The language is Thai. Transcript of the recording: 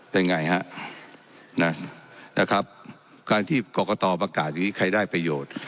เป็นไงฮะนะนะครับการที่กรกตประกาศอย่างนี้ใครได้ประโยชน์